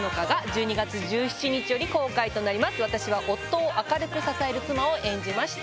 私は夫を明るく支える妻を演じました。